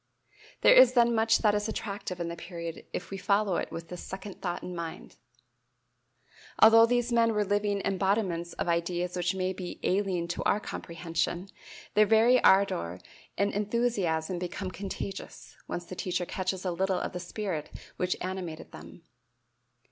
There is then much that is attractive in the period if we follow it with this second thought in mind. Although these men were living embodiments of ideas which may be "alien to our comprehension," their very ardor and enthusiasm become contagious, once the teacher catches a little of the spirit which animated them.